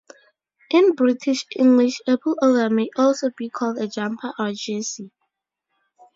In British English, a pullover may also be called a jumper or jersey.